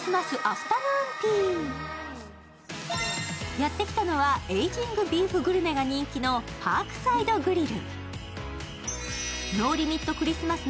やってきたのは、エイジングビーフグルメが人気のパークサイド・グリル。